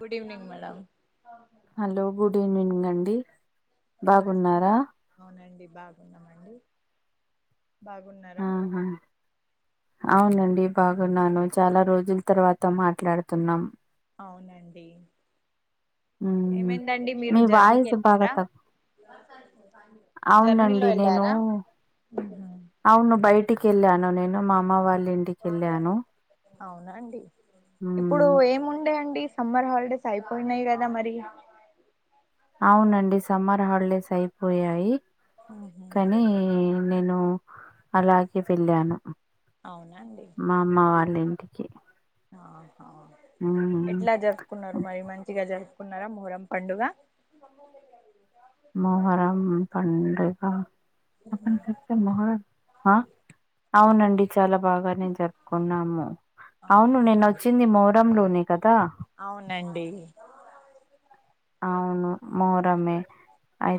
Good evening madam. Hello good evening అండి. ఏం బాగున్నారా చేస్తున్నారు? అవునండి బాగున్నామండి. బాగున్నరా? ఆ అవునండి బాగున్నాను, చాలా రోజుల తర్వాత మాట్లాడుతున్నాం. అవునండి. మ్మ్ ఏమైందండి మీరు మీ జర్నీకి వాయిస్ బాగా ఎళ్ళారా? తక్కు జర్నీలో అవునండి నేను ఎళ్ళారా? అవును బయటికి ఎళ్ళాను నేను మా అమ్మ వాళ్ళ ఇం అవునా అండి, ఇప్పుడు మ్మ్ ఏముండే అండి. సమ్మర్ హాలిడేస్ అయిపోయినయి కదా మరి. అవునండి సమ్మర్ హాలిడేస్ అయిపోయాయి ఉహు కనీ నేను అలాగే వెళ్ళాను. అవునా అండి. మా అమ్మవాళ్ళ ఇంటికి. ఆహా మ్మ్ ఎట్ల జరుపుకున్నరు మరి మంచిగా జరుపుకున్నరా మొహరం పండుగ. మొహరం పండుగ అయితే మొహరం ఆ అవునండి. చాలా బాగానే జరుపుకున్నాము, అవును ఆహా నేను వచ్చింది మొహరంలోనే కదా. అవునండి. అవును మొహరమే.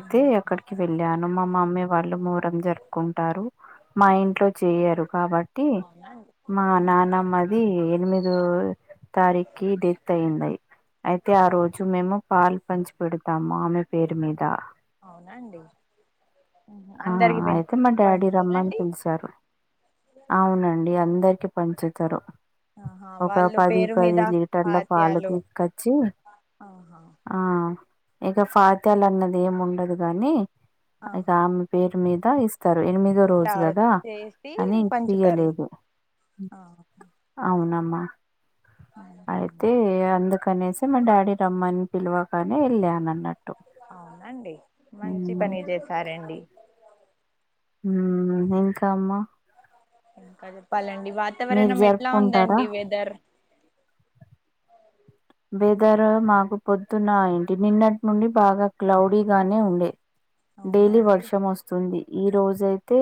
ఆ అక్కడికి వెళ్ళాను. మా మమ్మీ వాళ్ళు మొహరం జరుపుకుంటారు. మా ఇంట్లో చేయరు కాబట్టి అవునండి మా ఆహా నాన్నమ్మది ఎనిమిదో తారీఖి డెత్ అయింది అయి అయితే ఆ ఓకే రోజు మేము పాలు పంచి పెడతాము ఆమె పేరు మీద. అవునా అండి. ఆ అయితే మా డాడీ రమ్మని పంచుతారండి పిలిసారు. అవునండి అందరికి పంచుతరు. ఆహా ఒక వాళ్ళు పది పేరు మీద పది లీటర్ల పాలు పాత్యాలు తీసుకొచ్చి ఆహా ఆ ఇగ ఫాత్యాలు అన్నది ఏం ఉండదు కాని దా ఆహా ఆమె పేరు మీద ఇస్ స్తరు ఎనిమిదో ఇట్లా రోజు కదా చేసి అని పంచుతారు ఇయలేదు. ఆహా. అవునమ్మా ఊహు. అయితే అందుకనేసి అయితే మా డాడీ రమ్మని పిలవగానే ఎళ్ళాను అన్న అవునండి మంచిపనే చేసారండి. హ్మ్ ఇంకా అమ్మా? ఇంకా చెప్పాలండి, మీరు వాతావరణం ఎట్లా జరుపుకుంటారా ఉందండి వెదర్? వేదర్ మాకు పొద్దున్న ఏంటి నిన్నటి నుండి బాగా క్లౌడీగానే ఉండే. అవునా డైలీ అండి వర్షం వస్తు తుంది ఈ రోజ అయితే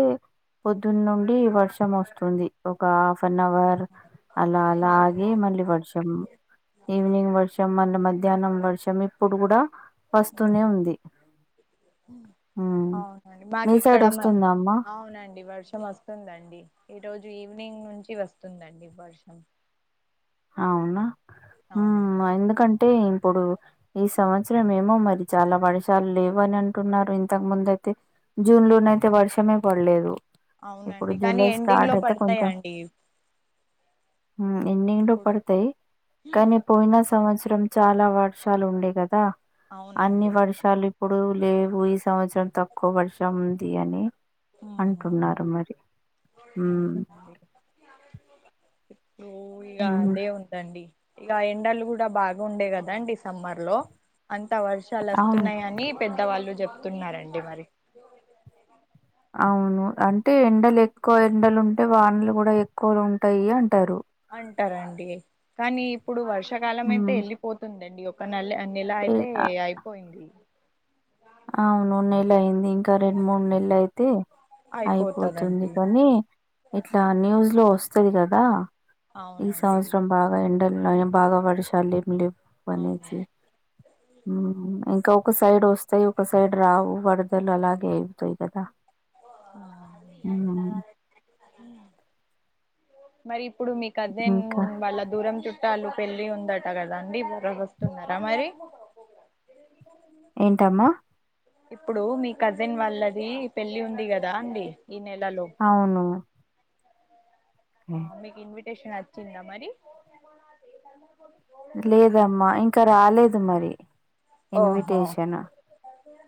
పొద్దున్న నుండి వర్షం వస్తుంది. ఒక హాఫ్ అన్ అవర్ ఆహా అలా అలా మాకు ఆగి మళ్ళీ వర్షం ఈవినింగ్ వర్ష్ షం మళ్ళ మధ్యాహ్నం వర్షం ఇప్పుడు కూడా వస్తూనే ఉంది. ఉమ్. అవునండి మాకు మీ ఇక్కడ సైడ్ వస్తుందా అమ్మా అవునండి వర్షం వస్ స్తుందండి ఈ రోజు ఈవినింగ్ నుంచి వస్తుందండి వర్షం. అవునా అవునండి ఎందుకంటే ఇప్పుడు ఈ సంవత్సరం ఏమో మరి చాలా వర్షాలు లేవు అని అంటున్నారు ఇంతకు ముందు అయితే. జూన్ లో నయితే వర్షమే పడలేదు, ఇప్పుడు అవునండి కానీ జూలై ఎండింగ్ లో స్టార్ట్ అయితే కొంచెం పడతాయండి ఉమ్ ఎండింగ్లో ఇప్పుడు పడతయి కనీ పోయిన సంవత్సరం చాలా వర్షాలు ఉండే కదా అన్ని అవునండి వర్షాలు ఇప్పుడు లేవు ఈ సంవత్సరం తక్కువ వర్షం ఉంది అని ఆహా అంటున్నారు మరి, ఉమ్ ను ఇగ హుహు. అదే ఉందండి. ఇక ఎండలు గుడ బాగ ఉండే కదా సమ్మర్ లో, అంత వర్షాలు అవును. అస్తున్నయని పెద్దవాళ్ళు చెప్తున్నారండి మరి. అవును అంటే ఎండలు ఎక్కువ ఎండలు ఉంటే వానలు గుడ ఎక్కువగా ఉంటాయి అంటారు అంటరండి కానీ ఇప్పుడు వర్షాకాలం అయితే హ్మ్. ఎళ్ళిపోతుందండి ఒక నెలె అం నెలా ఏ అయితే ఆ అయిపోయింది. అవును నెల అయింది ఇంక క రెండు మూడు నెలలయితే అయిపోతుంది అయిపోతదండి కనీ ఇట్ల న్యూస్ లో వస్తది కదా ఈ అవునండి సంవత్సరం బాగా ఎండలు ఉన్నాయా బాగా వర్షాలు ఏం లేవు అవును అనేసి ఉమ్ ఇంకా ఒక సైడ్ ఒస్ తై ఒక సైడ్ రావు వరదలు అలాగే అవుతయి కదా. హ్మ్. మరి ఇప్పుడు మీ కజిన్ ఇంకా వాళ్ళ దూరం చుట్టాలు పెళ్లి ఉందట కదా అండి, మీరు ఈరోజు వస్తున్నరా మరి? ఏంటమ్మా ఇప్పుడు మీ కజిన్ వాళ్ళది పెళ్లి ఉంది కదా అండి, ఈ నెలలో అవును ఆ మీకు ఇన్విటేషన్ అచ్చిందా మరి? [inaudible] లేదమ్మా ఇంకా రాలేదు మరి ఓహో ఇన్విటేషను.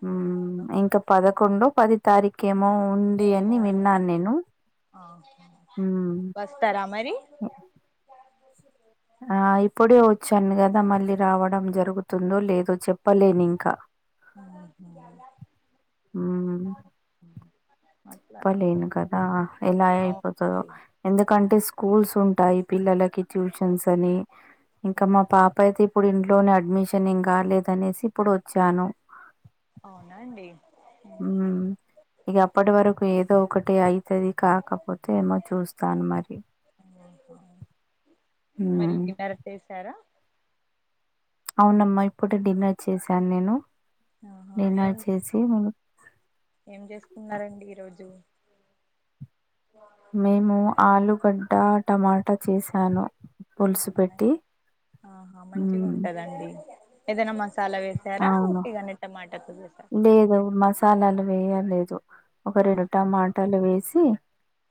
ఉమ్ ఇంకా పదకొండో పది తారీఖేమో ఉంది ఏమో అని విన్నాను నేను, ఉమ్ ఇస్తారా మరి ఆ ఇప్పుడే వచ్చాను కదా మళ్ళీ రావడం జరుగుతుందో లేదో చెప్పలేనింకా. ఆహ పలేను కదా ఎలా అయిపోతదో. అవునండి ఎందుకంటే స్కూల్స్ ఉంటాయి పిల్లలకి ట్యూషన్స్ అని ఇంకా మా పాప్ ఇప్పుడయితే ఇప్పుడు ఇంట్లోనే అడ్మిషన్ ఏం కాలేదనేసి ఇప్పుడు వచ్చాను. అవునా అండి? ఉమ్ ఇగ అప్పటి వరకు ఏదో ఒకటి ఐతది కా కాపోతే ఏమో చూస్తాను మరి, మరి ఉమ్ డిన్నర్ చేసారా అవునమ్మా ఇప్పుడే డిన్నర్ చేశాను నేను, ఆహా ఏం డిన్నర్ చేసి ఏం చేసుకున్నారండి ఈ రోజు? మేము ఆలుగడ్డ, టమాటా చేశాను. పులుసు పెట్టి. ఆహా మంచిగ హ్మ్. ఉంటదండి. ఏదైనా మసాలా వేసారా, అవును. ఉట్టిగనే టమాట కు లేదు మసాలాలు వేయలేదు, ఒక ఆ రెండు టమాటాలు వేసి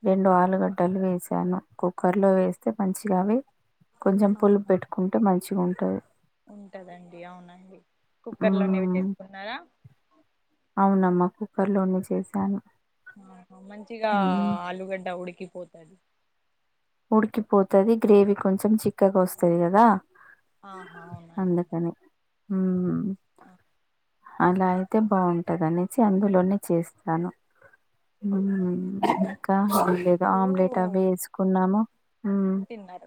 రెండు ఆ ఆలుగడ్డలు వేసాను, కుక్కర్లో వేస్తే మంచిగవి కొంచం పులు ఆహా పెట్టుకుంటే మంచిగ ఉంటది. ఉంటదండి అవునండి కుక్కర్ లోనే ఇవి హ్మ్. చేసుకున్నారా అవునమ్మా కుక్కర్ లోనే చేశాను ఆహా మంచిగా హ్మ్. ఆలుగడ్డ ఉడికిపోతది ఉడికిపోతది గ్రేవీ కొంచెం చిక్కగా వస్తది కదా ఆహా అవునండి అందుకని మ్మ్ ఆ అలా అయితే బాగుంటది అనేసి అందులోనే చేస్తాను మ్మ్ అవును ఇంకా ఏం లేదు ఇప్పుడు ఆమ్లెట్ అవి వేసుకున్నాము తిన్నారు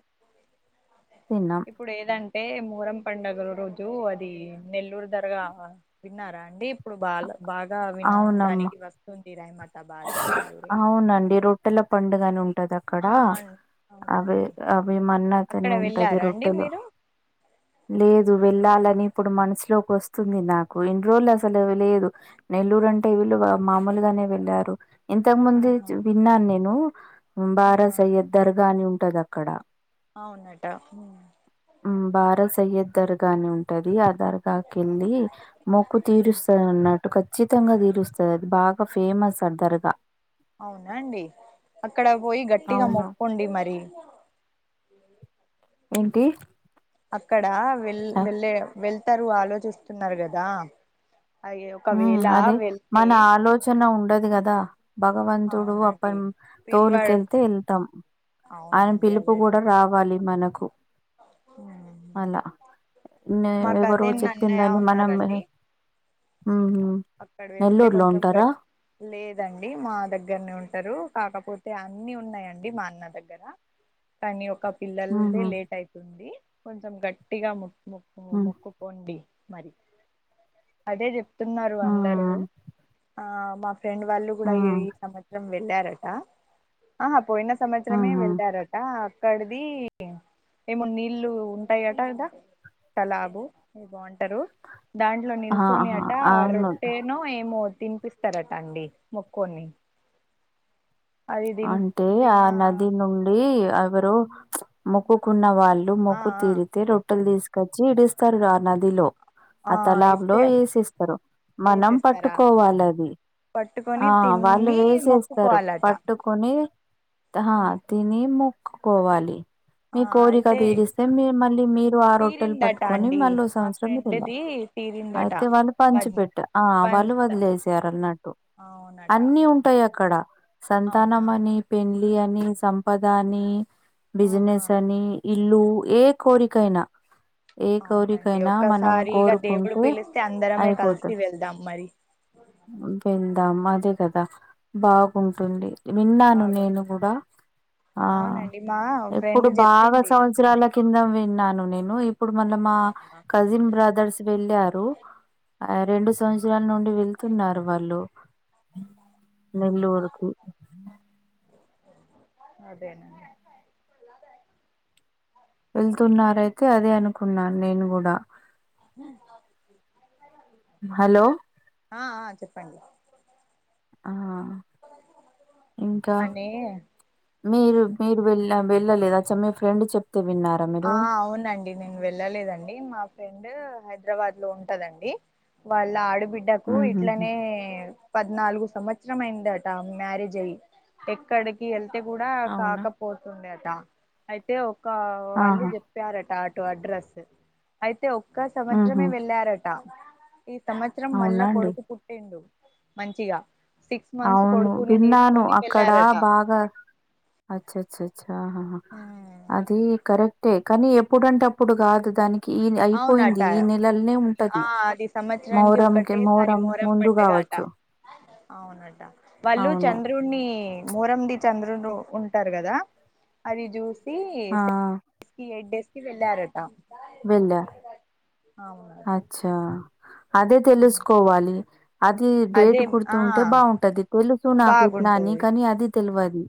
తిన్నాం ఇప్పుడు ఏదంటే మూరం పండుగల రోజు అది నెల్లూరు ధరగా విన్నారఅండి ఇప్పుడు బాల బాగా విన అవునమ్మా డానికి వస్తుంది రైమతాబాద్ నెల్లూరు అవునండి రొ ట్టల పండుగనే ఉంటది అక్ అక్కడ ఆ అవి అవునండి అవి అక్కడ మన్నతని ఉంటది వెళ్ళారా అండి రొట్టెలో మీరు లేదు వెళ్ళాలని ఇప్పుడు మనసులోకి వస్ వస్తుంది నాకు ఇన్ని రోజులు అసలు లేదు నెల్లూరు అంటే వీళ్లుు మామూలుగానే వెళ్ళారు ఇంతకు ముంది ఆహా విన్నాను నేను మ్మ్ బారా ఆహా సయ్యద్ దర్గా అని ఉంటది అక్కడ అవునట మ్మ్ భారత్ సయ్యద్ దర్గా అని ఉంటది ఆ ధర్ దాకింది మొక్కు ఉహు తీరుస్తన్నట్టు క ఖచ్చితంగా తీరుస్తది అది బాగా ఫేమస్ అది దర్గా అవునా అండి అక్కడ పోయి గట్టిగా అవును మొక్కుండి మరి ఏంటి అక్కడ వెల్ వెళ్ళే వెళ్తారు ఆలోచిస్తున్నారు కదా అయ్యో ఒకవేళ వెళ్తే చన ఉండదు కదా భగవంతుడు అప్ప అవునండి పిల్వాడు తొలికెళ్తే వెళ్తాం ఆయన అవునండి పిలుపు అదైతే కూడా రావాలి మనకు అలా ఇంగ మాకు ఎవరో అదే చెప్పిన అన్నయ్య దాన్ని మనం విన ఉన్నారండి మ్మ్ అక్కడ వెళ్తే నెల్లూరులో కొంచెం ఉంటారా గట్ లేదండి మా దగ్గరనే ఉంటారు కాకపోతే అన్ని ఉన్నాయండి మా అన్న దగ్గర కానీ ఒక మ్మ్ పిల్లలదే హ్మ్ లేట్ అయితుంది కొంచెం గట్టిగా ముక్ ము మ్మ్ మొక్కు పోండి మరి అదే చెప్తున్నారు అందరూ ఆ మా ఫ్రెండ్ వాళ్ళు కూడా మ్మ్ ఈ సంవత్సరం వెళ్ళారట ఆహా పోయిన మ్మ్ సంవత్సరమే మ్మ్ వెళ్ళార ట అక్కడిది ఏమో నీళ్లు ఉంటాయట కదా కలాబు బాగుంటారు దాంట్లో నిల్చొని ఆహా అట రో అవును ట్టెనో ఏమో తినిపిస్తారట అండి మొక్క్కోని అంటే ఆ దిన నది నుండి ఎవరు మొక్కుకున్న వాళ్ళు వాళ్ళు ఆ మొక్కు ఆ తీరితే రొట్టెలు తీసుకొచ్చి ఇడిస్తారు రా నదిలో ఆ తలాబ్ లో వేసేస్తారు మనం వేసేస్తారా పట్టుకోవాలి అది పట్టుకొని ఆ వాళ్ళు తిని వేసేస్తారు మొక్కుకోవాలట పట్టుకొని ఆ తిని మొక్కుకోవాలి ఆ మీ కోరిక అయితే తీరిస్తే మీ మళ్ళీ మీరు ఆ రొట్టెలు తీరిందట పట్టుకొని అండి మళ్ళీ మా సంవత్సరం మీరు వెళ్ళి ఫ్రెండ్ది తీరిందట అయితే వాళ్ళు పని పంచిపెట్ట ఆ వాళ్ళు పంచ వదిలేసారు అన్నట్టు అవునట అన్ని ఉంటాయి అక్కడ సంతానం అవునా అని నీ పెళ్లి అని సంపద అని ఆహా బిజినెస్ అని ఇల్లు ఏ కోరికయినా ఏ అవునండి కోరికైనా మనము ఒక్కసారిగా దేవుడు కోరుకుంటే పిలిస్తే అందరమే కలిసి అయిపోతాది వెళ్దాం మరి [unintelligible] అదే కదా బాగుంటుంది విన్నాను నేను బాగుంటుంది కూడా ఆ అవునండి మా ఫ్రెండ్ ఇప్పుడు బాగా చెప్పింది మొన్ననే సంవత్సరాలకి కింద విన్నాను నేను ఇప్పుడు మళ్లా మా అవునా కజిన్ బ్రదర్స్ వెళ్ళారు ఆ రెండు సంవత్సరాల నుండి వెళ్తున్నారు వాళ్ళు నెల్లూరుకి అదేనండీ వెళ్తున్నారు అయితే అదే అనుకున్నాను నేను కూడా [inaudible] హలో ఆ ఆ చెప్పండి ఆ ఇంకా అని మీరు మీరు వెళ్ళ వెళ్ళలేదా అచ్చం మీ ఫ్రెండ్ చెప్తే విన్నారు ఆ అవునండి నేను వెళ్ళలేదండి మా ఫ్రెండ్ హైదరాబాద్ లో ఉంటదండి వాళ్ళ ఆడబిడ్డ బిడ్డ కు ఉహుహు ఇట్లనే పద్నాలుగు సంవత్సరం అయిందట మ్యారేజ్ అయ్యి అక్కడికి వెళ్తే కూడా అవునా కాకపోతుందే అట అయితే ఒక వాళ్ళు ఆహా చెప్ చెప్పారట ఆటో అడ్రస్ అయితే ఒక్క సంవత్సరమే ఉహు వెళ్ళారట ఈ సంవత్సరం మళ్ళా అవునా అండి కొడుకు పుట్టిండు మంచిగా సిక్స్ మంత్స్ అవును కొడుకుని విన్నాను తీసుకొని అక్కడ వెళ్ళారట బాగా అచ్చ చ్చచ్చహ ఆ అది కరెక్టే కానీ ఎప్పుడంటే అప్పుడు కాదు దానికి అవునట అయిపోయింది ఈ నెలలనే ఆ ఉంటది అది సంవత్సరానికి మొహరంకి మొహరం ముందు కావచ్చు చ్చో అవునంటా వాళ్ళు చంద్రున్ని మొహరం ది చంద్రుడు ఉంటారు కదా అది చూసి ఆ ఎయిట్ డేస్ కి వెళ్ళారటా వెళ్లారు అవును గదా ఆ అదే తెలుసుకోవాలి అది డేట్ అదే ఆ గుర్తుంటే బాగుంటది తెలుసు నాకు ఇట్లా అని బాగుంటది కానీ అది తెలవదు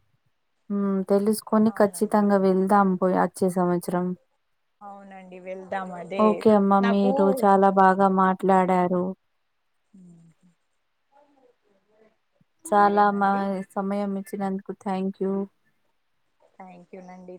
హ్మ్ తెలుసుకు కొన్ని అవునండి ఖచ్చితంగా వెళ్దాం పోయి అచ్చే సంవత్సరం అవునండి వెళ్దాం అదే ఓకే అమ్మ. నాకూ మీరు చాలా బాగా మాట్లాడారు [unintelligible] చాలా మా సరేనండి సమయం ఇచ్చినందుకు థ్యాంక్ యూ థ్యాంక్ యూ అండీ